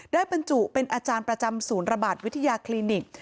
บรรจุเป็นอาจารย์ประจำศูนย์ระบาดวิทยาคลินิก